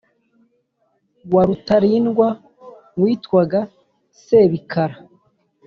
wa Rutarindwa witwaga Sebikara